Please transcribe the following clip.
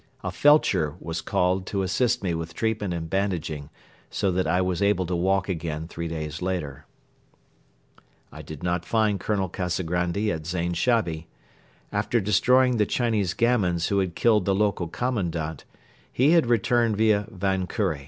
A felcher was called to assist me with treatment and bandaging, so that I was able to walk again three days later. I did not find Colonel Kazagrandi at Zain Shabi. After destroying the Chinese gamins who had killed the local Commandant, he had returned via Van Kure.